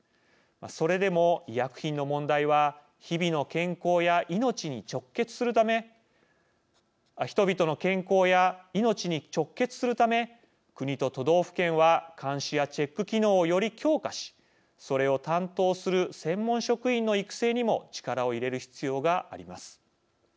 それでも、医薬品の問題は人々の健康や命に直結するため国と都道府県は監視やチェック機能をより強化しそれを担当する専門職員の育成にも力を入れる必要があります。